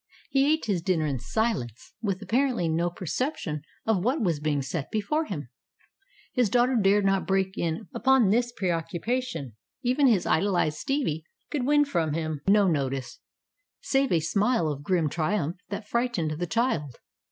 He ate his dinner in silence, with apparently no perception of what was being set before him. His daughter dared not break in upon this preoccupation. Even his idolized Stevie could win from him no notice, save a smile of grim triumph that frightened the child.